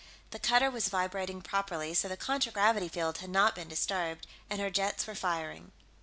The cutter was vibrating properly, so the contragravity field had not been disturbed, and her jets were firing.